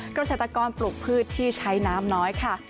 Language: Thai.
กระเศรษฐกรปลูกพืชที่ใช้น้ำน้อยค่ะ